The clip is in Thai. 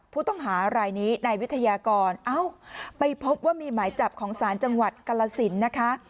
ผู้ต้องหารายนี้นายวิทยากรเอ้าไปพบว่ามีหมายจับของศาลจังหวัดกรสินนะคะ